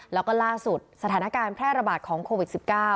แล้วก็ล่าสุดสถานการณ์แพร่ระบาดของโควิด๑๙